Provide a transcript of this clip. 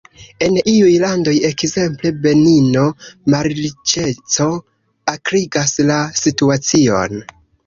En iuj landoj – ekzemple Benino – malriĉeco akrigas la situacion.